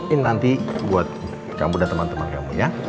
ini nanti buat kamu dan temen temen kamu ya